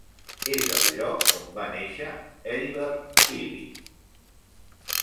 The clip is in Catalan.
És el lloc on va néixer Heribert Illig.